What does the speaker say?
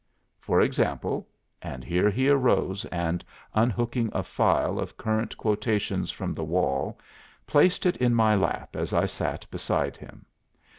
For example,' and here he arose and unhooking a file of current quotations from the wall, placed it in my lap as I sat beside him.